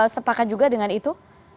sepakat juga dengan itu